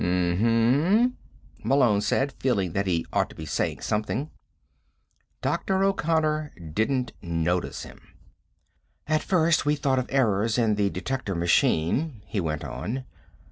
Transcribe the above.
"Hm m m," Malone said, feeling that he ought to be saying something. Dr. O'Connor didn't notice him. "At first we thought of errors in the detector machine," he went on.